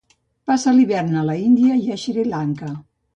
Passa l'hivern a l'Índia i Sri Lanka.